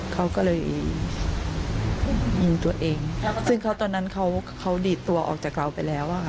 เขาก็เลยยิงตัวเองซึ่งเขาตอนนั้นเขาดีดตัวออกจากเราไปแล้วอะค่ะ